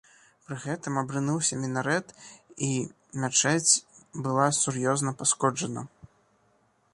Пры гэтым абрынуўся мінарэт і мячэць была сур'ёзна пашкоджана.